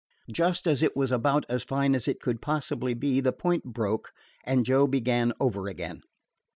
Just as it was about as fine as it could possibly be the point broke, and Joe began over again.